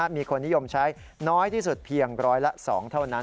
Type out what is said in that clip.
มีคนนิยมใช้น้อยที่สุดเพียงร้อยละ๒เท่านั้น